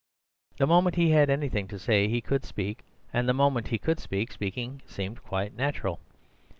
The moment he had anything to say he could speak; and the moment he could speak, speaking seemed quite natural.